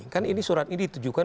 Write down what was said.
kan ini surat ini ditujukan